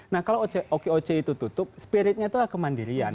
nah kalau oke oke itu tutup spiritnya itu kemandirian